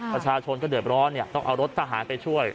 ประชาชนก็เดือดร้อนต้องเอารถทหารไปช่วย